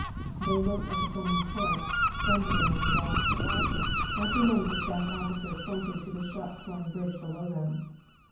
They looked at the foaming torrent, thundering among the rocks. After a moment the staff officer pointed to the shot torn bridge below them.